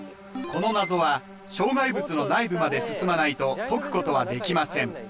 この謎は障害物の内部まで進まないと解くことはできません